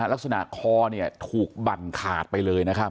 แต่ลักษณะคอเนี่ยถูกบั่นขาดไปเลยนะครับ